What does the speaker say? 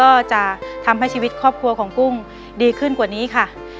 ก็จะทำให้ชีวิตครอบครัวของกุ้งดีขึ้นกว่านี้ค่ะ